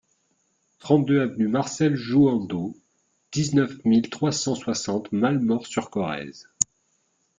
trente-deux avenue Marcel Jouhandeau, dix-neuf mille trois cent soixante Malemort-sur-Corrèze